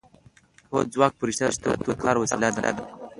هو ځواک په رښتیا د توکو د کار وسیله ده